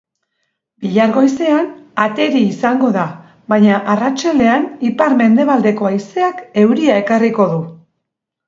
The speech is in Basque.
Bihar goizean ateri izango da baina arratsaldean ipar mendebaldeko haizeak euria ekarriko du.